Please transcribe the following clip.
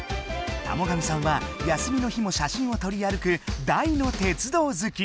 田母神さんは休みの日も写真をとり歩く大の鉄道好き。